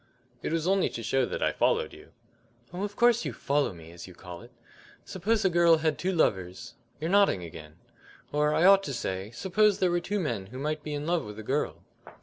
"It was only to show that I followed you." "Oh, of course you 'follow me,' as you call it. Suppose a girl had two lovers you're nodding again or, I ought to say, suppose there were two men who might be in love with a girl."